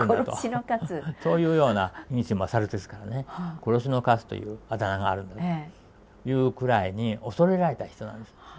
そういうような口勝ですからね「殺しのカツ」というあだ名があるんだというくらいに恐れられた人なんです。